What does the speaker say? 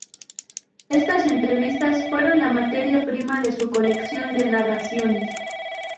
Estas entrevistas fueron la materia prima de su colección de narraciones.